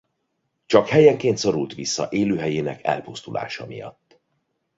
Csak helyenként szorult vissza élőhelyének elpusztulása miatt.